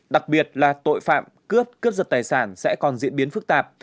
đặc biệt là tội phạm cướp cướp giật tài sản sẽ còn diễn biến phức tạp